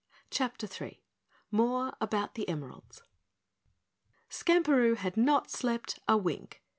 CHAPTER 3 More About the Emeralds Skamperoo had not slept a wink.